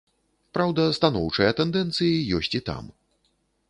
Праўда, станоўчыя тэндэнцыі ёсць і там.